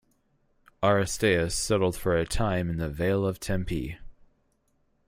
Aristaeus settled for a time in the Vale of Tempe.